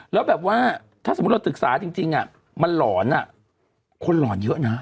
แล้วแบบว่าถ้าสมมติเราตึกศาสตร์จริงอ่ามันหลอนอะคนหลอนเยอะนะ